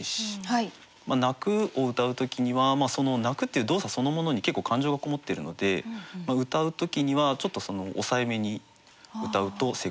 「泣」をうたう時にはその泣くっていう動作そのものに結構感情がこもってるのでうたう時にはちょっと抑えめにうたうと成功しやすい。